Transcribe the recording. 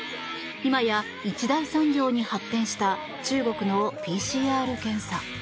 今や一大産業に発展した中国のＰＣＲ検査。